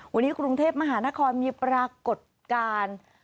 วันนี้กรุงเทพมหานครมีปรากฏการณ์